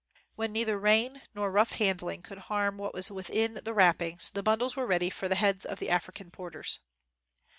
When neither rain nor rough hand ling could harm what was within the wrap pings, the bundles were ready for the heads of the African porters.